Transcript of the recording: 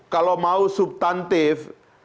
kalau mau subtantif